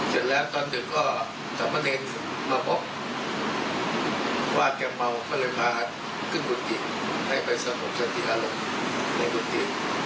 ให้ไปสมบัติศาสตรีอารมณ์ในกุฏิ